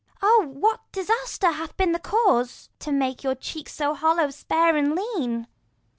35 Oh, what disaster chance hath been the cause, To make your cheeks so hollow, spare and lean